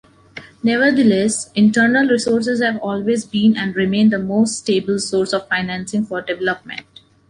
Nevertheless, internal resources have always been and remain the most stable source of financing for development.